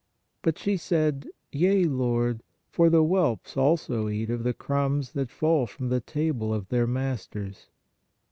But she said: Yea, Lord; for the whelps also eat of the crumbs that fall from the table of their masters.